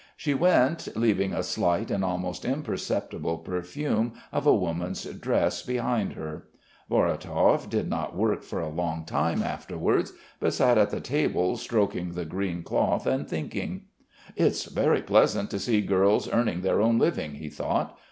She went, leaving a slight and almost imperceptible perfume of a woman's dress behind her. Vorotov did not work for a long time afterwards but sat at the table stroking the green cloth and thinking. "It's very pleasant to see girls earning their own living," he thought.